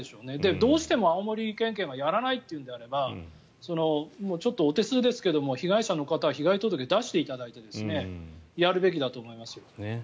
どうしても青森県警がやらないというのであればお手数ですが、被害者の方は被害届を出していただいてやるべきだと思いますよ。